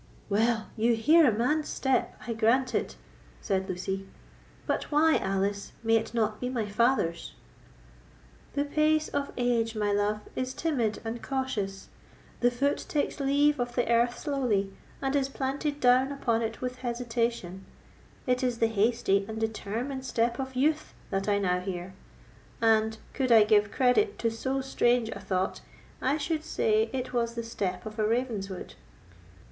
"Well, you hear a man's step, I grant it," said Lucy; "but why, Alice, may it not be my father's?" "The pace of age, my love, is timid and cautious: the foot takes leave of the earth slowly, and is planted down upon it with hesitation; it is the hasty and determined step of youth that I now hear, and—could I give credit to so strange a thought—I should say is was the step of a Ravenswood."